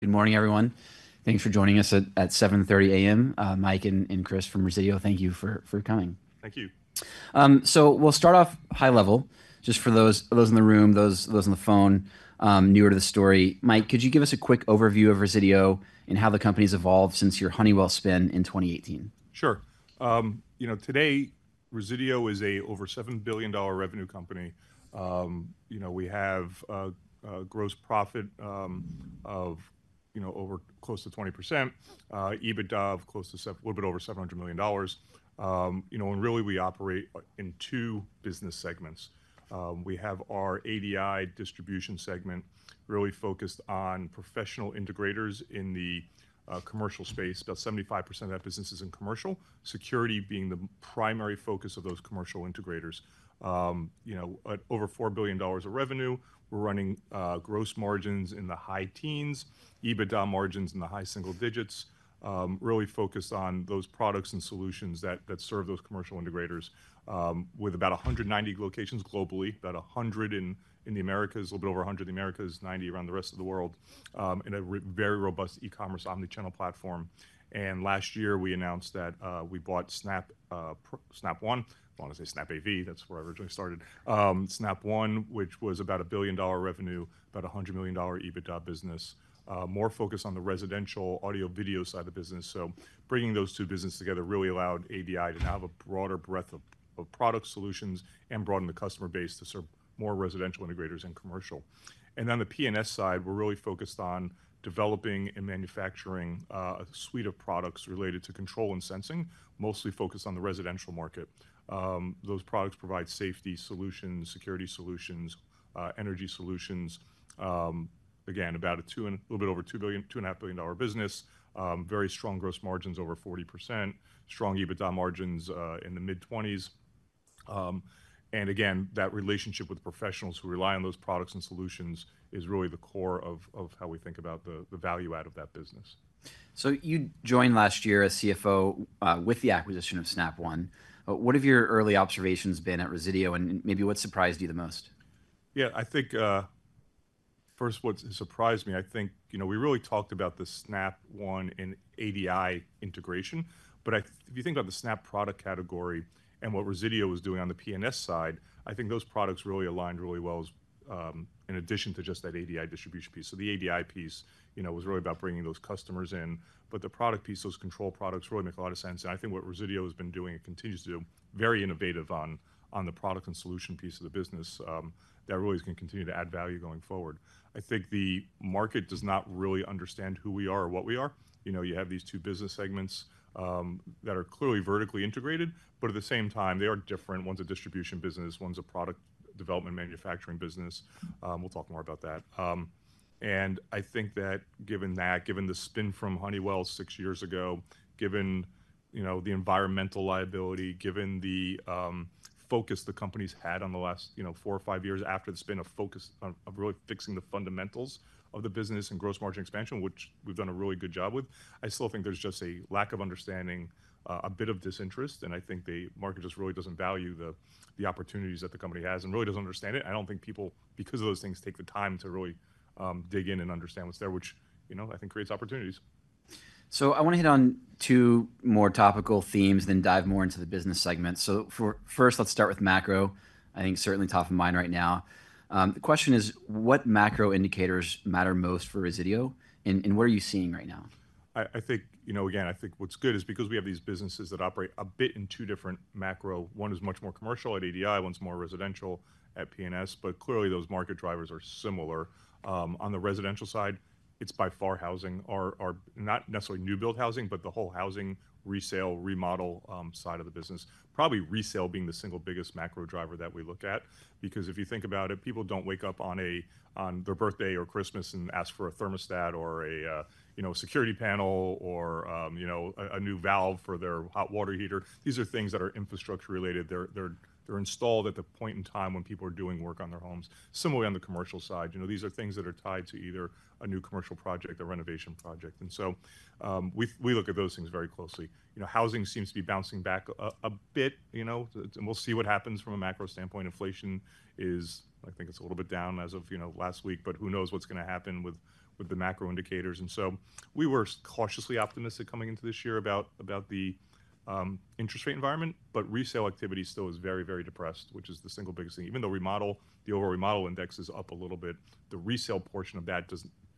Good morning, everyone. Thanks for joining us at 7:30 A.M. Mike and Chris from Resideo. Thank you for coming. Thank you. We'll start off high level, just for those in the room, those on the phone, newer to the story. Mike, could you give us a quick overview of Resideo and how the company's evolved since your Honeywell spin in 2018? Sure. You know, today, Resideo is an over $7 billion revenue company. You know, we have a gross profit of over close to 20%, EBITDA of close to a little bit over $700 million. You know, and really, we operate in two business segments. We have our ADI distribution segment, really focused on professional integrators in the commercial space. About 75% of that business is in commercial, security being the primary focus of those commercial integrators. You know, over $4 billion of revenue. We're running gross margins in the high teens, EBITDA margins in the high single digits, really focused on those products and solutions that serve those commercial integrators, with about 190 locations globally, about 100 in the Americas, a little bit over 100 in the Americas, 90 around the rest of the world, and a very robust e-commerce omnichannel platform. Last year, we announced that we bought Snap One, I want to say Snap AV, that's where I originally started, Snap One, which was about a $1 billion revenue, about a $100 million EBITDA business, more focused on the residential audio video side of the business. Bringing those two businesses together really allowed ADI to now have a broader breadth of product solutions and broaden the customer base to serve more residential integrators and commercial. The P&S side, we're really focused on developing and manufacturing a suite of products related to control and sensing, mostly focused on the residential market. Those products provide safety solutions, security solutions, energy solutions. Again, about a little bit over a $2.5 billion business, very strong gross margins over 40%, strong EBITDA margins in the mid-20s. That relationship with professionals who rely on those products and solutions is really the core of how we think about the value add of that business. You joined last year as CFO with the acquisition of Snap One. What have your early observations been at Resideo and maybe what surprised you the most? Yeah, I think first what surprised me, I think, you know, we really talked about the Snap One and ADI integration, but if you think about the Snap product category and what Resideo was doing on the P&S side, I think those products really aligned really well in addition to just that ADI distribution piece. The ADI piece, you know, was really about bringing those customers in, but the product piece, those control products really make a lot of sense. I think what Resideo has been doing and continues to do, very innovative on the product and solution piece of the business, that really can continue to add value going forward. I think the market does not really understand who we are or what we are. You know, you have these two business segments that are clearly vertically integrated, but at the same time, they are different. One's a distribution business, one's a product development manufacturing business. We'll talk more about that. I think that given that, given the spin from Honeywell six years ago, given the environmental liability, given the focus the company's had on the last four or five years after the spin of focus on really fixing the fundamentals of the business and gross margin expansion, which we've done a really good job with, I still think there's just a lack of understanding, a bit of disinterest, and I think the market just really doesn't value the opportunities that the company has and really doesn't understand it. I don't think people, because of those things, take the time to really dig in and understand what's there, which, you know, I think creates opportunities. I want to hit on two more topical themes, then dive more into the business segment. First, let's start with macro. I think certainly top of mind right now. The question is, what macro indicators matter most for Resideo and what are you seeing right now? I think, you know, again, I think what's good is because we have these businesses that operate a bit in two different macro. One is much more commercial at ADI, one's more residential at P&S, but clearly those market drivers are similar. On the residential side, it's by far housing, not necessarily new build housing, but the whole housing resale, remodel side of the business. Probably resale being the single biggest macro driver that we look at, because if you think about it, people don't wake up on their birthday or Christmas and ask for a thermostat or a security panel or a new valve for their hot water heater. These are things that are infrastructure related. They're installed at the point in time when people are doing work on their homes. Similarly, on the commercial side, you know, these are things that are tied to either a new commercial project, a renovation project. You know, we look at those things very closely. You know, housing seems to be bouncing back a bit, you know, and we'll see what happens from a macro standpoint. Inflation is, I think it's a little bit down as of last week, but who knows what's going to happen with the macro indicators. We were cautiously optimistic coming into this year about the interest rate environment, but resale activity still is very, very depressed, which is the single biggest thing. Even though remodel, the overall remodel index is up a little bit, the resale portion of that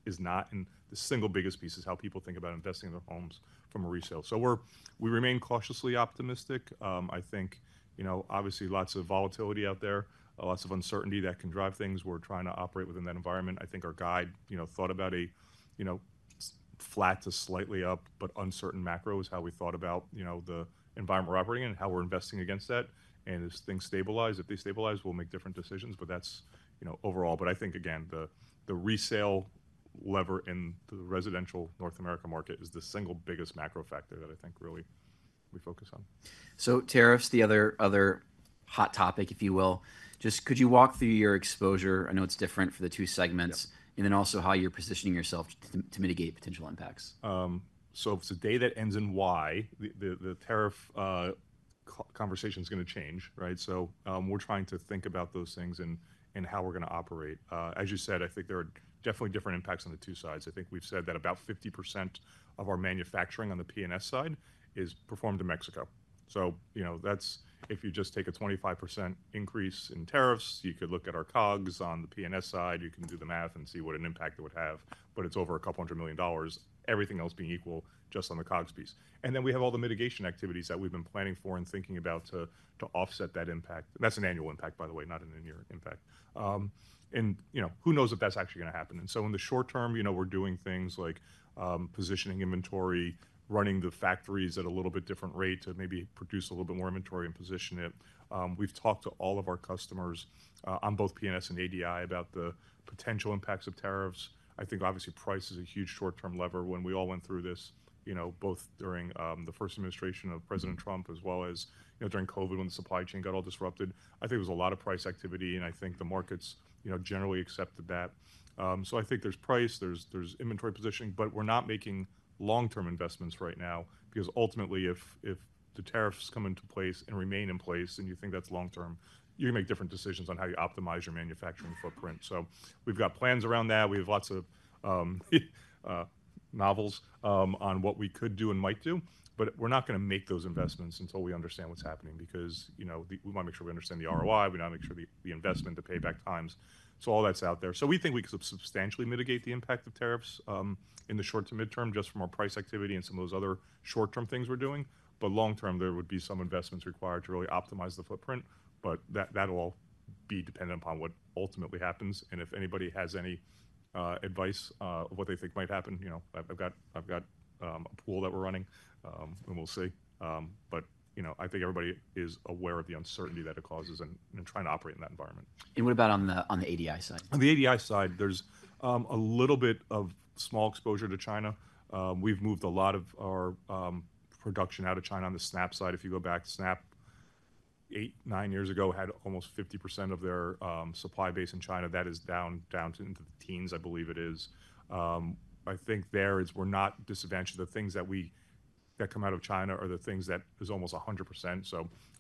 is not, and the single biggest piece is how people think about investing in their homes from a resale. We remain cautiously optimistic. I think, you know, obviously lots of volatility out there, lots of uncertainty that can drive things. We're trying to operate within that environment. I think our guide, you know, thought about a flat to slightly up, but uncertain macro is how we thought about the environment we're operating in and how we're investing against that. As things stabilize, if they stabilize, we'll make different decisions, but that's overall. I think, again, the resale lever in the residential North America market is the single biggest macro factor that I think really we focus on. Tariffs, the other hot topic, if you will, just could you walk through your exposure? I know it's different for the two segments, and then also how you're positioning yourself to mitigate potential impacts. It's a day that ends in Y. The tariff conversation is going to change, right? We're trying to think about those things and how we're going to operate. As you said, I think there are definitely different impacts on the two sides. I think we've said that about 50% of our manufacturing on the P&S side is performed in Mexico. You know, that's if you just take a 25% increase in tariffs, you could look at our COGS on the P&S side, you can do the math and see what an impact it would have, but it's over a couple hundred million dollars, everything else being equal just on the COGS piece. We have all the mitigation activities that we've been planning for and thinking about to offset that impact. That's an annual impact, by the way, not an in-year impact. You know, who knows if that's actually going to happen? In the short term, you know, we're doing things like positioning inventory, running the factories at a little bit different rate to maybe produce a little bit more inventory and position it. We've talked to all of our customers on both P&S and ADI about the potential impacts of tariffs. I think obviously price is a huge short-term lever. When we all went through this, you know, both during the first administration of President Trump, as well as during COVID when the supply chain got all disrupted, I think there was a lot of price activity, and I think the markets generally accepted that. I think there's price, there's inventory positioning, but we're not making long-term investments right now, because ultimately, if the tariffs come into place and remain in place, and you think that's long-term, you're going to make different decisions on how you optimize your manufacturing footprint. We've got plans around that. We have lots of novels on what we could do and might do, but we're not going to make those investments until we understand what's happening, because, you know, we want to make sure we understand the ROI, we want to make sure the investment, the payback times. All that's out there. We think we could substantially mitigate the impact of tariffs in the short to mid-term just from our price activity and some of those other short-term things we're doing. Long-term, there would be some investments required to really optimize the footprint, but that'll all be dependent upon what ultimately happens. If anybody has any advice of what they think might happen, you know, I've got a pool that we're running and we'll see. You know, I think everybody is aware of the uncertainty that it causes and trying to operate in that environment. What about on the ADI side? On the ADI side, there's a little bit of small exposure to China. We've moved a lot of our production out of China on the Snap side. If you go back, Snap eight, nine years ago had almost 50% of their supply base in China. That is down into the teens, I believe it is. I think there is, we're not disadvantaged. The things that come out of China are the things that is almost 100%.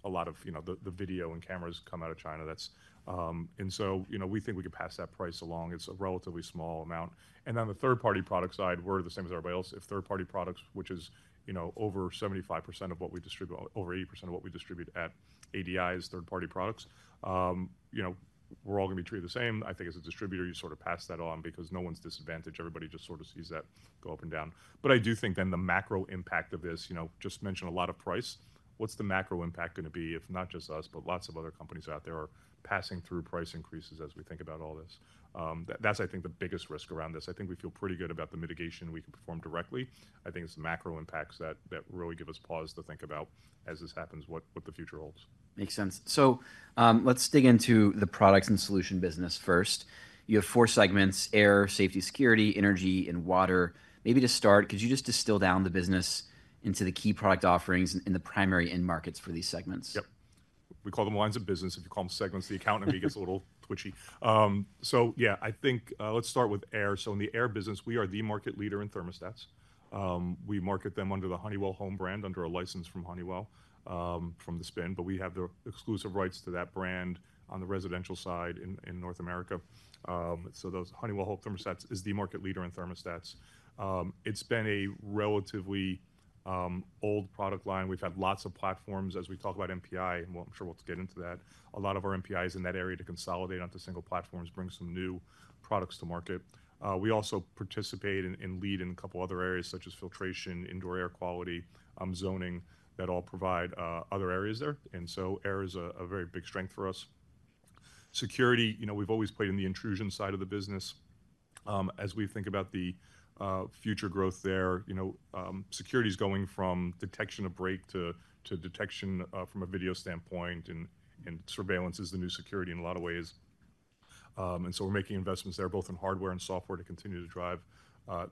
A lot of, you know, the video and cameras come out of China. You know, we think we could pass that price along. It's a relatively small amount. On the third-party product side, we're the same as everybody else. If third-party products, which is, you know, over 75% of what we distribute, over 80% of what we distribute at ADI is third-party products, you know, we're all going to be treated the same. I think as a distributor, you sort of pass that on because no one's disadvantaged. Everybody just sort of sees that go up and down. I do think then the macro impact of this, you know, just mentioned a lot of price. What's the macro impact going to be if not just us, but lots of other companies out there are passing through price increases as we think about all this? That's, I think, the biggest risk around this. I think we feel pretty good about the mitigation we can perform directly. I think it's the macro impacts that really give us pause to think about as this happens, what the future holds. Makes sense. Let's dig into the products and solution business first. You have four segments: air, safety, security, energy, and water. Maybe to start, could you just distill down the business into the key product offerings and the primary end markets for these segments? Yep. We call them lines of business. If you call them segments, the accountant gets a little twitchy. I think let's start with air. In the air business, we are the market leader in thermostats. We market them under the Honeywell Home brand under a license from Honeywell from the spin, but we have the exclusive rights to that brand on the residential side in North America. Those Honeywell Home thermostats are the market leader in thermostats. It's been a relatively old product line. We've had lots of platforms as we talk about MPI, and I'm sure we'll get into that. A lot of our MPI is in that area to consolidate onto single platforms, bring some new products to market. We also participate and lead in a couple other areas such as filtration, indoor air quality, zoning that all provide other areas there. Air is a very big strength for us. Security, you know, we've always played in the intrusion side of the business. As we think about the future growth there, you know, security is going from detection of break to detection from a video standpoint, and surveillance is the new security in a lot of ways. We are making investments there both in hardware and software to continue to drive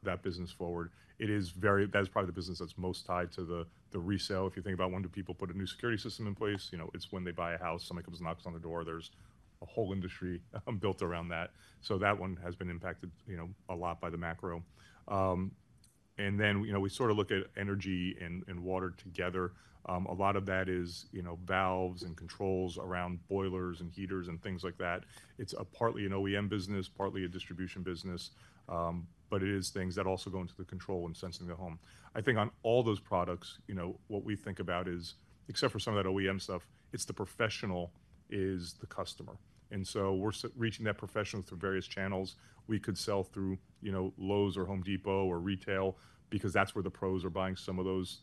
that business forward. That is probably the business that's most tied to the resale. If you think about when do people put a new security system in place, you know, it's when they buy a house, somebody comes and knocks on the door, there's a whole industry built around that. That one has been impacted a lot by the macro. You know, we sort of look at energy and water together. A lot of that is, you know, valves and controls around boilers and heaters and things like that. It's partly an OEM business, partly a distribution business, but it is things that also go into the control and sensing the home. I think on all those products, you know, what we think about is, except for some of that OEM stuff, it's the professional is the customer. And so we're reaching that professional through various channels. We could sell through, you know, Lowe's or Home Depot or retail because that's where the pros are buying some of those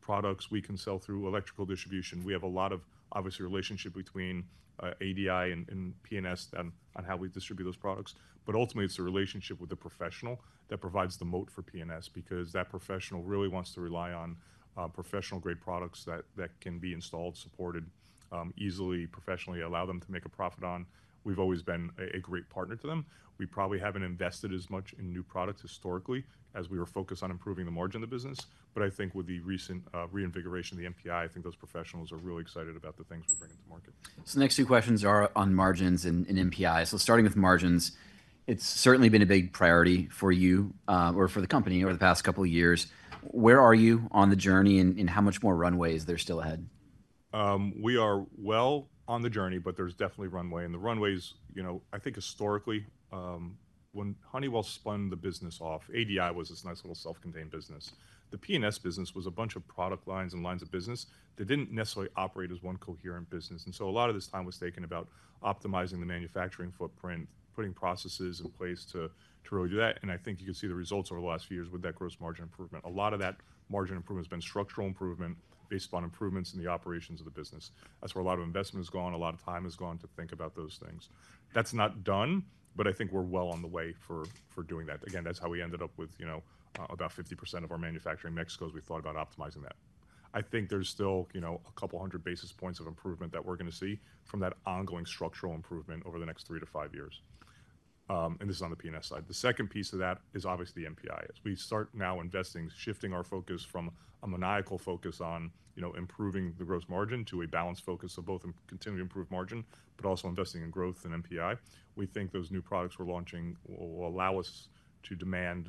products. We can sell through electrical distribution. We have a lot of obviously relationship between ADI and P&S on how we distribute those products. Ultimately, it's the relationship with the professional that provides the moat for P&S because that professional really wants to rely on professional-grade products that can be installed, supported easily, professionally, allow them to make a profit on. We've always been a great partner to them. We probably haven't invested as much in new products historically as we were focused on improving the margin of the business. I think with the recent reinvigoration of the MPI, I think those professionals are really excited about the things we're bringing to market. The next two questions are on margins and MPI. Starting with margins, it's certainly been a big priority for you or for the company over the past couple of years. Where are you on the journey and how much more runway is there still ahead? We are well on the journey, but there's definitely runway. The runways, you know, I think historically, when Honeywell spun the business off, ADI was this nice little self-contained business. The P&S business was a bunch of product lines and lines of business that didn't necessarily operate as one coherent business. A lot of this time was taken about optimizing the manufacturing footprint, putting processes in place to really do that. I think you can see the results over the last few years with that gross margin improvement. A lot of that margin improvement has been structural improvement based upon improvements in the operations of the business. That's where a lot of investment has gone. A lot of time has gone to think about those things. That's not done, but I think we're well on the way for doing that. Again, that's how we ended up with, you know, about 50% of our manufacturing in Mexico as we thought about optimizing that. I think there's still, you know, a couple hundred basis points of improvement that we're going to see from that ongoing structural improvement over the next three to five years. This is on the P&S side. The second piece of that is obviously the MPI. As we start now investing, shifting our focus from a maniacal focus on, you know, improving the gross margin to a balanced focus of both continuing to improve margin, but also investing in growth and MPI. We think those new products we're launching will allow us to demand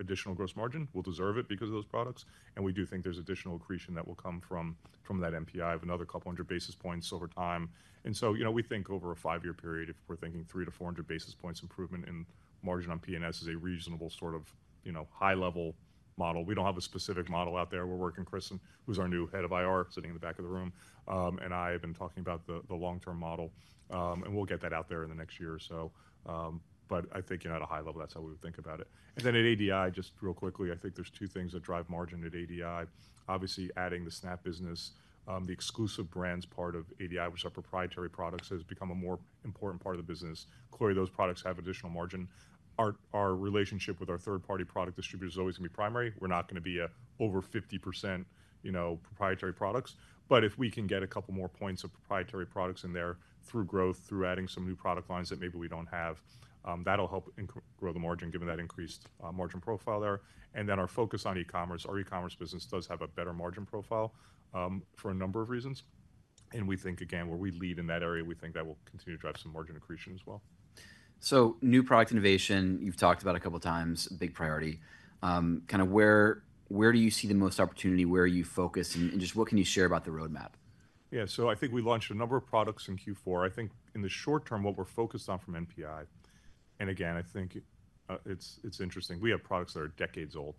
additional gross margin. We'll deserve it because of those products. We do think there's additional accretion that will come from that MPI of another couple hundred basis points over time. You know, we think over a five-year period, if we're thinking 300-400 basis points improvement in margin on P&S is a reasonable sort of, you know, high-level model. We don't have a specific model out there. We're working with Chris, who's our new head of IR, sitting in the back of the room, and I have been talking about the long-term model. We'll get that out there in the next year. I think, you know, at a high level, that's how we would think about it. At ADI, just real quickly, I think there's two things that drive margin at ADI. Obviously, adding the Snap business, the exclusive brands part of ADI, which are proprietary products, has become a more important part of the business. Clearly, those products have additional margin. Our relationship with our third-party product distributors is always going to be primary. We're not going to be over 50% proprietary products. If we can get a couple more points of proprietary products in there through growth, through adding some new product lines that maybe we don't have, that'll help grow the margin given that increased margin profile there. Our focus on e-commerce, our e-commerce business does have a better margin profile for a number of reasons. We think, again, where we lead in that area, we think that will continue to drive some margin accretion as well. New product innovation, you've talked about a couple of times, big priority. Kind of where do you see the most opportunity, where are you focused, and just what can you share about the roadmap? Yeah, I think we launched a number of products in Q4. I think in the short term, what we're focused on from MPI, and again, I think it's interesting, we have products that are decades old.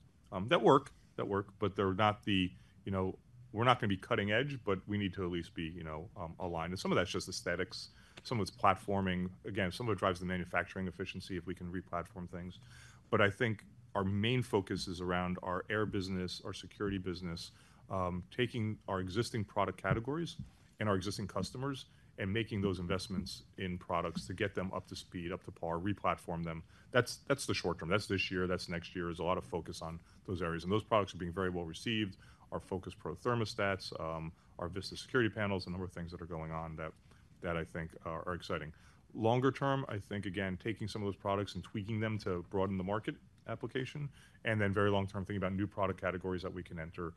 That work, that work, but they're not the, you know, we're not going to be cutting edge, but we need to at least be, you know, aligned. Some of that's just aesthetics. Some of it's platforming. Again, some of it drives the manufacturing efficiency if we can replatform things. I think our main focus is around our air business, our security business, taking our existing product categories and our existing customers and making those investments in products to get them up to speed, up to par, replatform them. That's the short term. That's this year, that's next year, is a lot of focus on those areas. Those products are being very well received. Our focus is pro thermostats, our Vista security panels, a number of things that are going on that I think are exciting. Longer term, I think, again, taking some of those products and tweaking them to broaden the market application. Very long term, thinking about new product categories that we can enter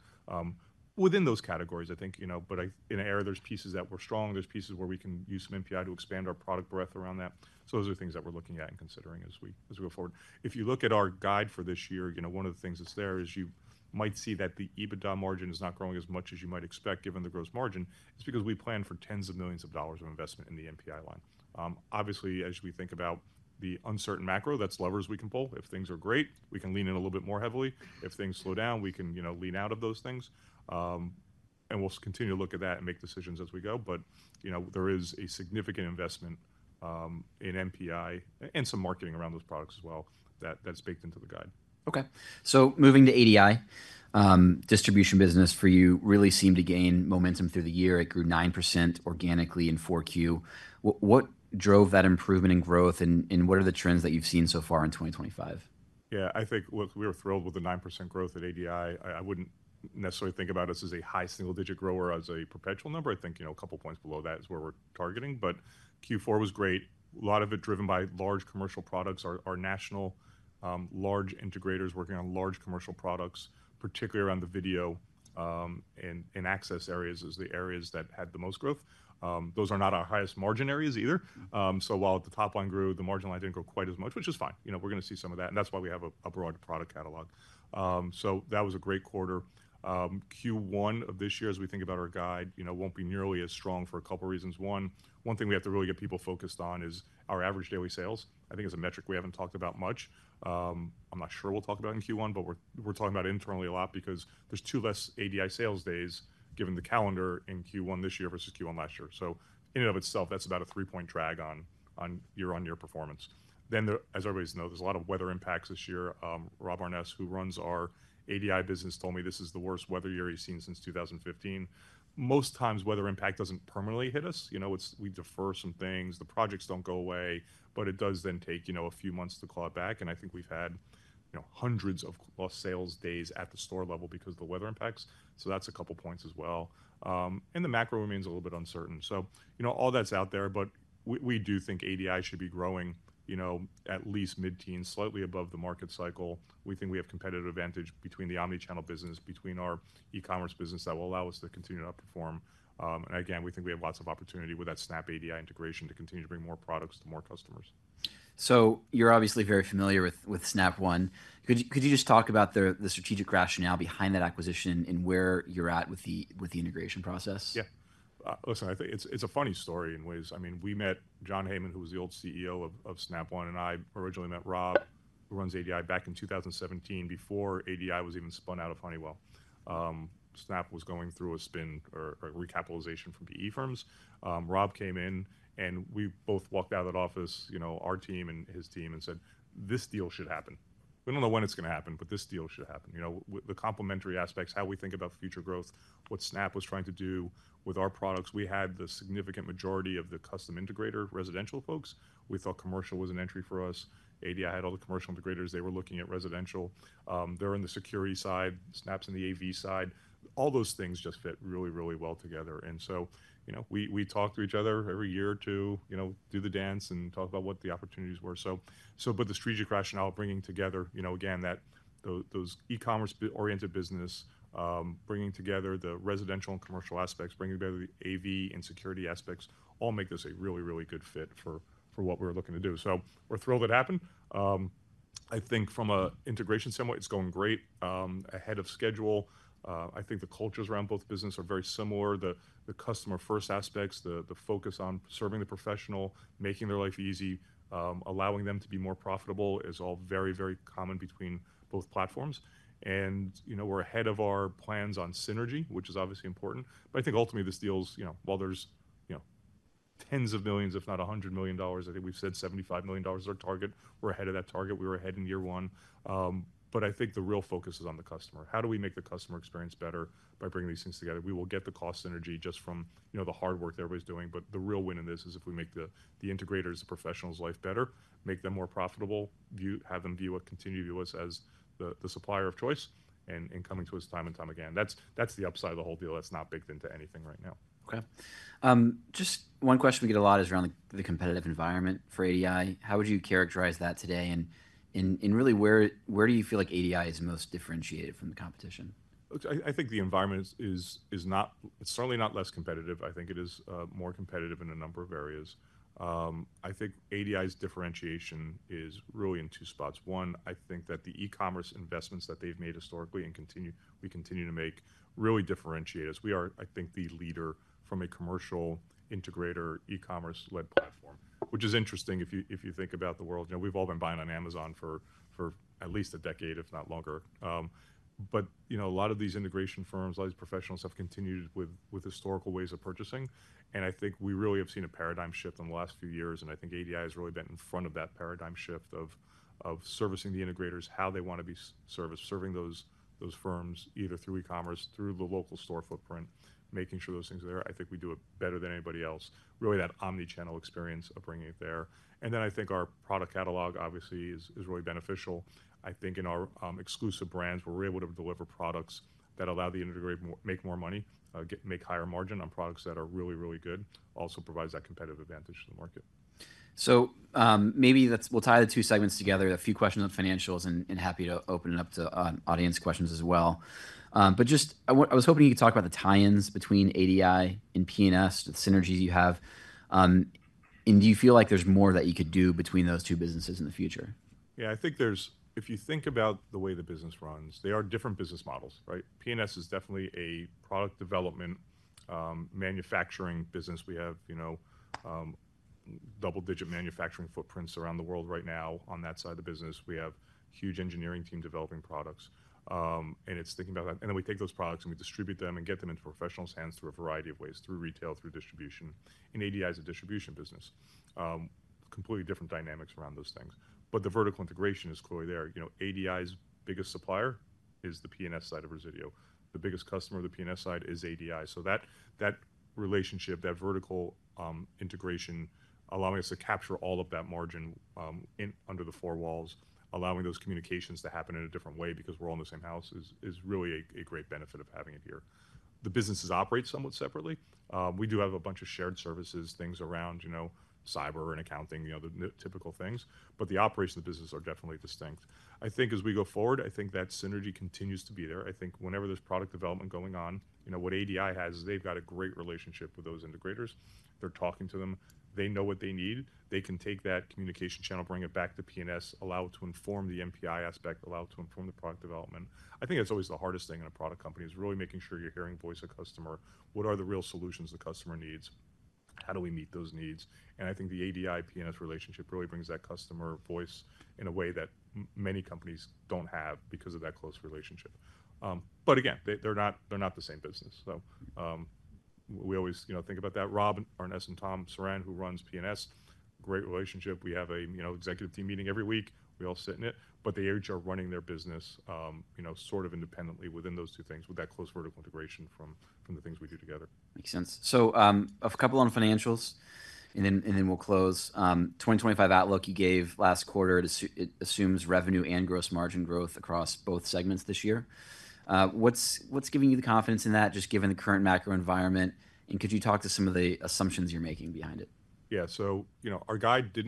within those categories, I think, you know, but in air, there's pieces that we're strong. There's pieces where we can use some MPI to expand our product breadth around that. Those are things that we're looking at and considering as we go forward. If you look at our guide for this year, you know, one of the things that's there is you might see that the EBITDA margin is not growing as much as you might expect given the gross margin. It's because we plan for tens of millions of dollars of investment in the MPI line. Obviously, as we think about the uncertain macro, that's levers we can pull. If things are great, we can lean in a little bit more heavily. If things slow down, we can, you know, lean out of those things. We will continue to look at that and make decisions as we go. You know, there is a significant investment in MPI and some marketing around those products as well that's baked into the guide. Okay. Moving to ADI, distribution business for you really seemed to gain momentum through the year. It grew 9% organically in Q4. What drove that improvement in growth and what are the trends that you've seen so far in 2025? Yeah, I think, look, we were thrilled with the 9% growth at ADI. I wouldn't necessarily think about us as a high single-digit grower as a perpetual number. I think, you know, a couple points below that is where we're targeting. Q4 was great. A lot of it driven by large commercial products, our national large integrators working on large commercial products, particularly around the video and access areas as the areas that had the most growth. Those are not our highest margin areas either. While the top line grew, the margin line didn't grow quite as much, which is fine. You know, we're going to see some of that. That is why we have a broad product catalog. That was a great quarter. Q1 of this year, as we think about our guide, you know, won't be nearly as strong for a couple of reasons. One, one thing we have to really get people focused on is our average daily sales. I think it's a metric we haven't talked about much. I'm not sure we'll talk about it in Q1, but we're talking about it internally a lot because there's two less ADI sales days given the calendar in Q1 this year versus Q1 last year. In and of itself, that's about a three-point drag on year-on-year performance. As everybody's known, there's a lot of weather impacts this year. Rob Aarnes, who runs our ADI business, told me this is the worst weather year he's seen since 2015. Most times, weather impact doesn't permanently hit us. You know, we defer some things. The projects don't go away, but it does then take, you know, a few months to claw it back. I think we've had, you know, hundreds of lost sales days at the store level because of the weather impacts. That's a couple points as well. The macro remains a little bit uncertain. You know, all that's out there, but we do think ADI should be growing at least mid-teens, slightly above the market cycle. We think we have competitive advantage between the omnichannel business, between our e-commerce business that will allow us to continue to outperform. Again, we think we have lots of opportunity with that Snap ADI integration to continue to bring more products to more customers. You're obviously very familiar with Snap One. Could you just talk about the strategic rationale behind that acquisition and where you're at with the integration process? Yeah. Listen, I think it's a funny story in ways. I mean, we met John Heyman, who was the old CEO of Snap One, and I originally met Rob, who runs ADI back in 2017 before ADI was even spun out of Honeywell. Snap was going through a spin or recapitalization from PE firms. Rob came in, and we both walked out of the office, you know, our team and his team, and said, "This deal should happen." We don't know when it's going to happen, but this deal should happen. You know, the complementary aspects, how we think about future growth, what Snap was trying to do with our products. We had the significant majority of the custom integrator residential folks. We thought commercial was an entry for us. ADI had all the commercial integrators. They were looking at residential. They're in the security side. Snap's in the AV side. All those things just fit really, really well together. You know, we talked to each other every year or two, you know, do the dance and talk about what the opportunities were. The strategic rationale of bringing together, you know, again, those e-commerce-oriented business, bringing together the residential and commercial aspects, bringing together the AV and security aspects all make this a really, really good fit for what we're looking to do. We're thrilled it happened. I think from an integration standpoint, it's going great ahead of schedule. I think the cultures around both businesses are very similar. The customer-first aspects, the focus on serving the professional, making their life easy, allowing them to be more profitable is all very, very common between both platforms. You know, we're ahead of our plans on synergy, which is obviously important. I think ultimately this deals, you know, while there's, you know, tens of millions, if not a hundred million dollars, I think we've said $75 million is our target. We're ahead of that target. We were ahead in year one. I think the real focus is on the customer. How do we make the customer experience better by bringing these things together? We will get the cost synergy just from, you know, the hard work that everybody's doing. The real win in this is if we make the integrators, the professionals' life better, make them more profitable, have them continue to view us as the supplier of choice and coming to us time and time again. That's the upside of the whole deal. That's not baked into anything right now. Okay. Just one question we get a lot is around the competitive environment for ADI. How would you characterize that today? Really, where do you feel like ADI is most differentiated from the competition? I think the environment is not, it's certainly not less competitive. I think it is more competitive in a number of areas. I think ADI's differentiation is really in two spots. One, I think that the e-commerce investments that they've made historically and continue to make really differentiate us. We are, I think, the leader from a commercial integrator e-commerce-led platform, which is interesting if you think about the world. You know, we've all been buying on Amazon for at least a decade, if not longer. You know, a lot of these integration firms, a lot of these professionals have continued with historical ways of purchasing. I think we really have seen a paradigm shift in the last few years. I think ADI has really been in front of that paradigm shift of servicing the integrators, how they want to be serviced, serving those firms either through e-commerce, through the local store footprint, making sure those things are there. I think we do it better than anybody else. Really that omnichannel experience of bringing it there. I think our product catalog obviously is really beneficial. I think in our exclusive brands, we're able to deliver products that allow the integrator to make more money, make higher margin on products that are really, really good, also provides that competitive advantage to the market. Maybe we'll tie the two segments together. A few questions on financials and happy to open it up to audience questions as well. I was hoping you could talk about the tie-ins between ADI and P&S, the synergies you have. Do you feel like there's more that you could do between those two businesses in the future? Yeah, I think there's, if you think about the way the business runs, they are different business models, right? P&S is definitely a product development manufacturing business. We have, you know, double-digit manufacturing footprints around the world right now on that side of the business. We have a huge engineering team developing products. And it's thinking about that. Then we take those products and we distribute them and get them into professionals' hands through a variety of ways, through retail, through distribution. ADI is a distribution business. Completely different dynamics around those things. The vertical integration is clearly there. You know, ADI's biggest supplier is the P&S side of Resideo. The biggest customer of the P&S side is ADI. That relationship, that vertical integration, allowing us to capture all of that margin under the four walls, allowing those communications to happen in a different way because we're all in the same house is really a great benefit of having it here. The businesses operate somewhat separately. We do have a bunch of shared services, things around, you know, cyber and accounting, you know, the typical things. The operations of the business are definitely distinct. I think as we go forward, I think that synergy continues to be there. I think whenever there's product development going on, you know, what ADI has is they've got a great relationship with those integrators. They're talking to them. They know what they need. They can take that communication channel, bring it back to P&S, allow it to inform the MPI aspect, allow it to inform the product development. I think that's always the hardest thing in a product company is really making sure you're hearing the voice of the customer. What are the real solutions the customer needs? How do we meet those needs? I think the ADI-P&S relationship really brings that customer voice in a way that many companies don't have because of that close relationship. They are not the same business. We always, you know, think about that. Rob Aarnes and Tom Surran, who runs P&S, great relationship. We have a, you know, executive team meeting every week. We all sit in it. They each are running their business, you know, sort of independently within those two things with that close vertical integration from the things we do together. Makes sense. A couple on financials, and then we'll close. The 2025 outlook you gave last quarter assumes revenue and gross margin growth across both segments this year. What's giving you the confidence in that, just given the current macro environment? Could you talk to some of the assumptions you're making behind it? Yeah, so, you know, our guide did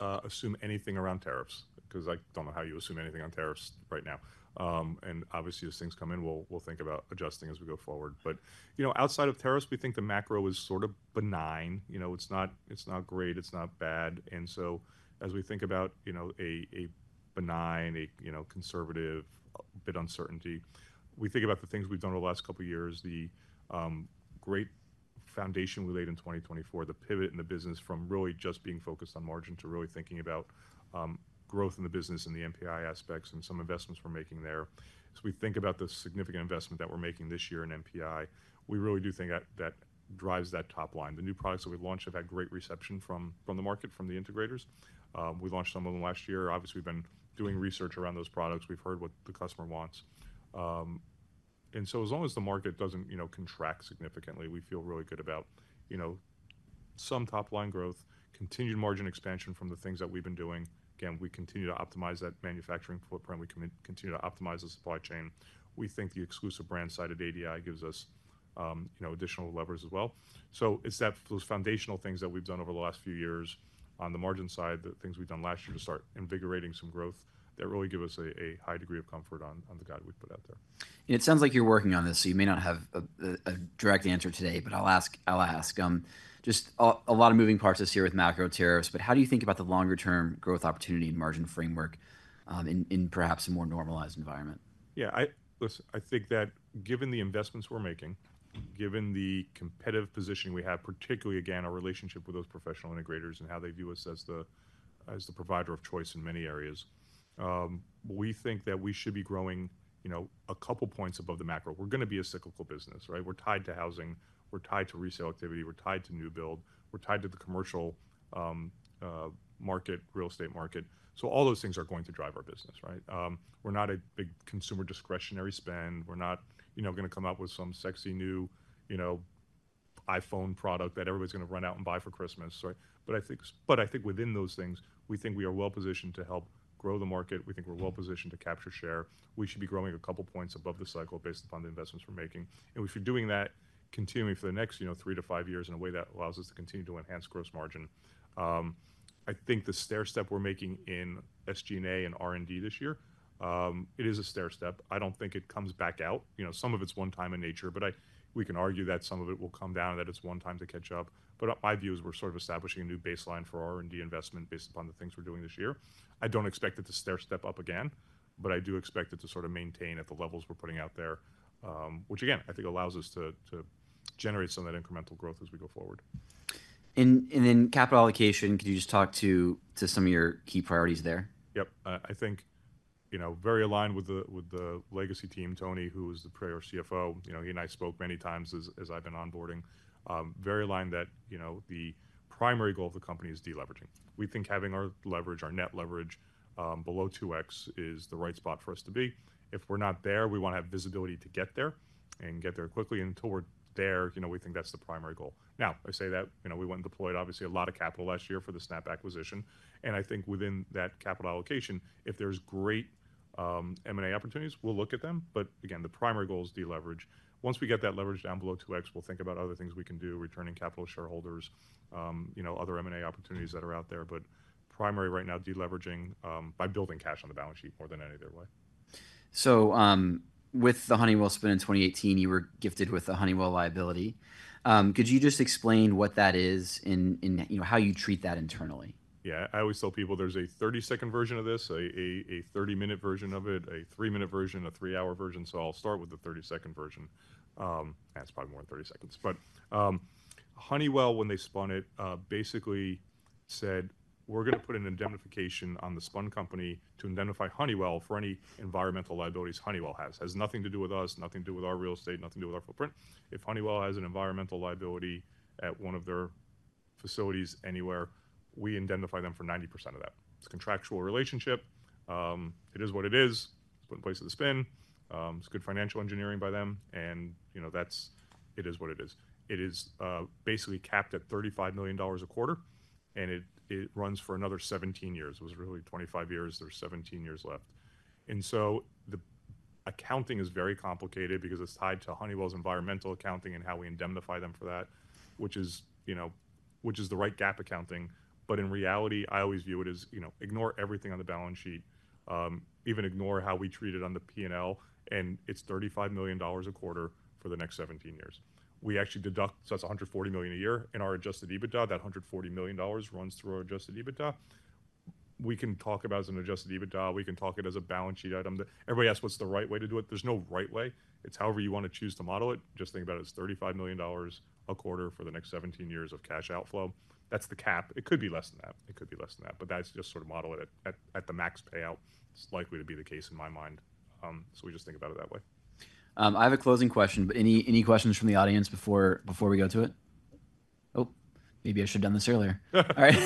not assume anything around tariffs because I do not know how you assume anything on tariffs right now. Obviously, as things come in, we will think about adjusting as we go forward. You know, outside of tariffs, we think the macro is sort of benign. You know, it is not great. It is not bad. As we think about, you know, a benign, a, you know, conservative bit of uncertainty, we think about the things we have done over the last couple of years, the great foundation we laid in 2024, the pivot in the business from really just being focused on margin to really thinking about growth in the business and the MPI aspects and some investments we are making there. As we think about the significant investment that we are making this year in MPI, we really do think that drives that top line. The new products that we've launched have had great reception from the market, from the integrators. We launched some of them last year. Obviously, we've been doing research around those products. We've heard what the customer wants. As long as the market doesn't, you know, contract significantly, we feel really good about, you know, some top line growth, continued margin expansion from the things that we've been doing. Again, we continue to optimize that manufacturing footprint. We continue to optimize the supply chain. We think the exclusive brand side of ADI gives us, you know, additional levers as well. It is those foundational things that we've done over the last few years on the margin side, the things we've done last year to start invigorating some growth that really give us a high degree of comfort on the guide we put out there. It sounds like you're working on this, so you may not have a direct answer today, but I'll ask. Just a lot of moving parts this year with macro tariffs, but how do you think about the longer-term growth opportunity margin framework in perhaps a more normalized environment? Yeah, I think that given the investments we're making, given the competitive positioning we have, particularly, again, our relationship with those professional integrators and how they view us as the provider of choice in many areas, we think that we should be growing, you know, a couple points above the macro. We're going to be a cyclical business, right? We're tied to housing. We're tied to resale activity. We're tied to new build. We're tied to the commercial market, real estate market. All those things are going to drive our business, right? We're not a big consumer discretionary spend. We're not, you know, going to come up with some sexy new, you know, iPhone product that everybody's going to run out and buy for Christmas, right? I think within those things, we think we are well-positioned to help grow the market. We think we're well-positioned to capture share. We should be growing a couple points above the cycle based upon the investments we're making. We should be doing that continuing for the next, you know, three to five years in a way that allows us to continue to enhance gross margin. I think the stair step we're making in SG&A and R&D this year, it is a stair step. I don't think it comes back out. You know, some of it's one-time in nature, but we can argue that some of it will come down and that it's one-time to catch up. My view is we're sort of establishing a new baseline for R&D investment based upon the things we're doing this year. I don't expect it to stair step up again, but I do expect it to sort of maintain at the levels we're putting out there, which again, I think allows us to generate some of that incremental growth as we go forward. Could you just talk to some of your key priorities on capital allocation? Yep. I think, you know, very aligned with the legacy team, Tony, who is the prior CFO. You know, he and I spoke many times as I've been onboarding. Very aligned that, you know, the primary goal of the company is deleveraging. We think having our leverage, our net leverage below 2x is the right spot for us to be. If we're not there, we want to have visibility to get there and get there quickly. Until we're there, you know, we think that's the primary goal. I say that, you know, we went and deployed, obviously, a lot of capital last year for the Snap One acquisition. I think within that capital allocation, if there's great M&A opportunities, we'll look at them. Again, the primary goal is deleverage. Once we get that leverage down below 2x, we'll think about other things we can do, returning capital to shareholders, you know, other M&A opportunities that are out there. Primary right now, deleveraging by building cash on the balance sheet more than any other way. With the Honeywell spin in 2018, you were gifted with a Honeywell liability. Could you just explain what that is and, you know, how you treat that internally? Yeah, I always tell people there's a 30-second version of this, a 30-minute version of it, a 3-minute version, a 3-hour version. I'll start with the 30-second version. That's probably more than 30 seconds. Honeywell, when they spun it, basically said, we're going to put an indemnification on the spun company to indemnify Honeywell for any environmental liabilities Honeywell has. Has nothing to do with us, nothing to do with our real estate, nothing to do with our footprint. If Honeywell has an environmental liability at one of their facilities anywhere, we indemnify them for 90% of that. It's a contractual relationship. It is what it is. It's put in place of the spin. It's good financial engineering by them. You know, that's it is what it is. It is basically capped at $35 million a quarter. It runs for another 17 years. It was really 25 years. There's 17 years left. The accounting is very complicated because it's tied to Honeywell's environmental accounting and how we indemnify them for that, which is, you know, which is the right GAAP accounting. In reality, I always view it as, you know, ignore everything on the balance sheet, even ignore how we treat it on the P&L. It's $35 million a quarter for the next 17 years. We actually deduct, so that's $140 million a year. In our adjusted EBITDA, that $140 million runs through our adjusted EBITDA. We can talk about it as an adjusted EBITDA. We can talk it as a balance sheet item. Everybody asks what's the right way to do it. There's no right way. It's however you want to choose to model it. Just think about it as $35 million a quarter for the next 17 years of cash outflow. That is the cap. It could be less than that. It could be less than that. That is just sort of model it at the max payout. It is likely to be the case in my mind. We just think about it that way. I have a closing question. Any questions from the audience before we go to it? Maybe I should have done this earlier. All right.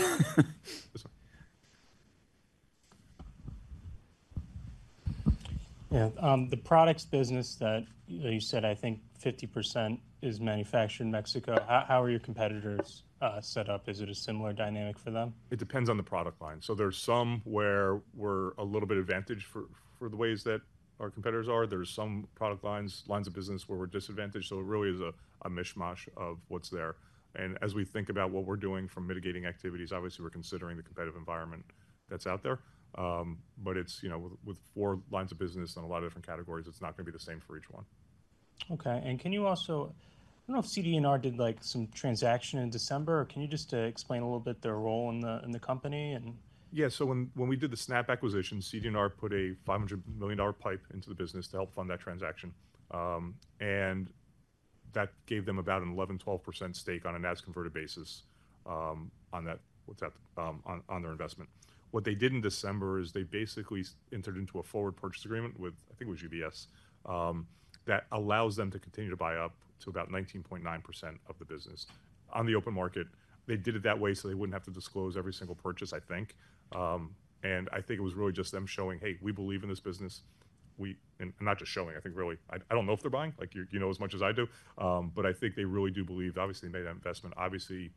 Yeah, the products business that you said, I think 50% is manufactured in Mexico. How are your competitors set up? Is it a similar dynamic for them? It depends on the product line. There are some where we're a little bit advantaged for the ways that our competitors are. There are some product lines, lines of business where we're disadvantaged. It really is a mishmash of what's there. As we think about what we're doing for mitigating activities, obviously we're considering the competitive environment that's out there. With four lines of business and a lot of different categories, it's not going to be the same for each one. Okay. Can you also, I don't know if CD&R did like some transaction in December, or can you just explain a little bit their role in the company? Yeah, so when we did the Snap One acquisition, CD&R put a $500 million PIPE into the business to help fund that transaction. That gave them about an 11%-12% stake on an as-converted basis on that, what's that, on their investment. What they did in December is they basically entered into a forward purchase agreement with, I think it was UBS, that allows them to continue to buy up to about 19.9% of the business on the open market. They did it that way so they would not have to disclose every single purchase, I think. I think it was really just them showing, hey, we believe in this business. Not just showing, I think really, I do not know if they are buying, like you know as much as I do. I think they really do believe, obviously made an investment. Obviously,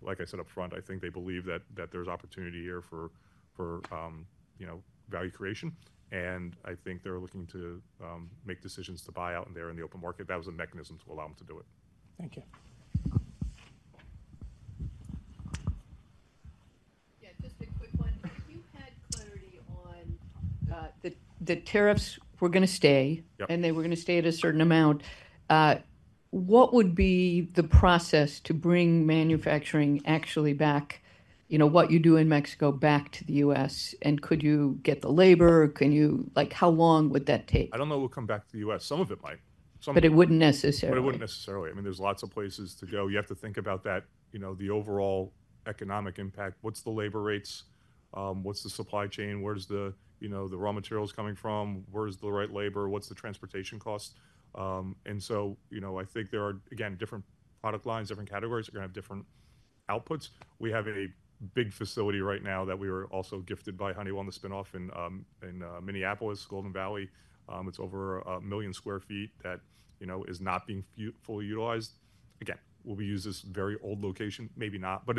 like I said upfront, I think they believe that there's opportunity here for, you know, value creation. I think they're looking to make decisions to buy out in there in the open market. That was a mechanism to allow them to do it. Thank you. Yeah, just a quick one. If you had clarity on the tariffs were going to stay and they were going to stay at a certain amount, what would be the process to bring manufacturing actually back, you know, what you do in Mexico back to the U.S.? And could you get the labor? Can you, like, how long would that take? I don't know if we'll come back to the U.S. Some of it might. It wouldn't necessarily. It would not necessarily. I mean, there are lots of places to go. You have to think about that, you know, the overall economic impact. What are the labor rates? What is the supply chain? Where are the, you know, the raw materials coming from? Where is the right labor? What is the transportation cost? You know, I think there are, again, different product lines, different categories are going to have different outputs. We have a big facility right now that we were also gifted by Honeywell in the spin-off in Minneapolis, Golden Valley. It is over a million sq ft that, you know, is not being fully utilized. Again, will we use this very old location? Maybe not. There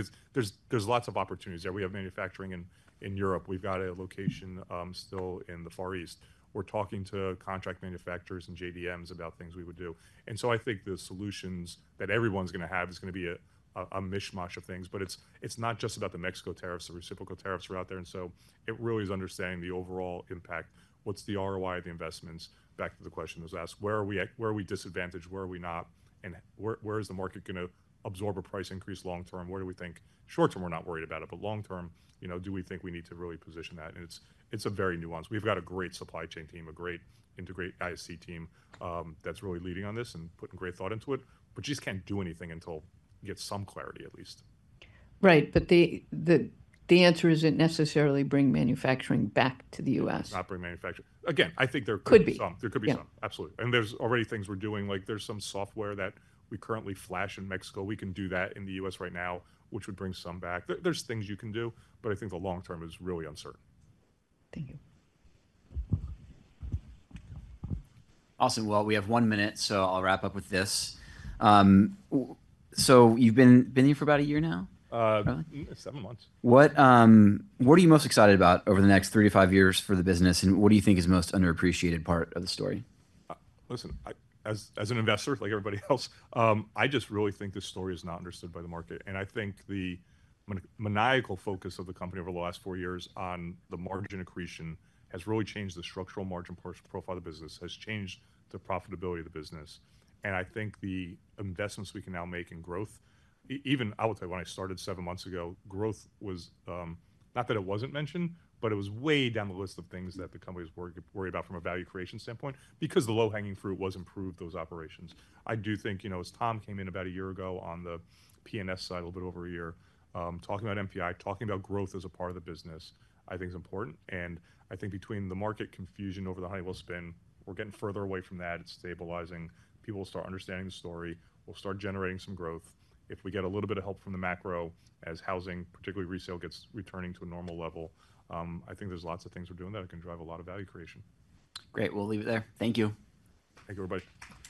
are lots of opportunities there. We have manufacturing in Europe. We have a location still in the Far East. We are talking to contract manufacturers and JDMs about things we would do. I think the solutions that everyone's going to have is going to be a mishmash of things. It is not just about the Mexico tariffs. The reciprocal tariffs are out there. It really is understanding the overall impact. What's the ROI of the investments? Back to the question that was asked. Where are we disadvantaged? Where are we not? Where is the market going to absorb a price increase long-term? Where do we think short-term we're not worried about it, but long-term, you know, do we think we need to really position that? It is very nuanced. We've got a great supply chain team, a great integrate ISC team that's really leading on this and putting great thought into it. We just can't do anything until we get some clarity at least. Right. The answer is not necessarily bring manufacturing back to the U.S. Not bring manufacturing. Again, I think there could be some. Could be. There could be some. Absolutely. There are already things we're doing. Like there's some software that we currently flash in Mexico. We can do that in the U.S. right now, which would bring some back. There are things you can do, but I think the long-term is really uncertain. Thank you. Awesome. We have one minute, so I'll wrap up with this. You've been here for about a year now? Seven months. What are you most excited about over the next three to five years for the business? What do you think is the most underappreciated part of the story? Listen, as an investor, like everybody else, I just really think this story is not understood by the market. I think the maniacal focus of the company over the last four years on the margin accretion has really changed the structural margin profile of the business, has changed the profitability of the business. I think the investments we can now make in growth, even I would say when I started seven months ago, growth was not that it was not mentioned, but it was way down the list of things that the companies worry about from a value creation standpoint because the low hanging fruit was improve those operations. I do think, you know, as Tom came in about a year ago on the P&S side, a little bit over a year, talking about MPI, talking about growth as a part of the business, I think is important. I think between the market confusion over the Honeywell spin, we're getting further away from that. It's stabilizing. People will start understanding the story. We'll start generating some growth. If we get a little bit of help from the macro as housing, particularly resale, gets returning to a normal level, I think there's lots of things we're doing that can drive a lot of value creation. Great. We'll leave it there. Thank you. Thank you, everybody.